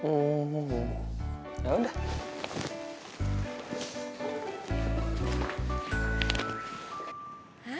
oh oh oh yaudah